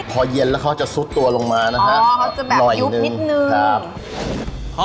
พอเย็นแล้วเขาจะซุดตัวลงมานะฮะอ๋อเขาจะแบบอยุบมิดนึงครับ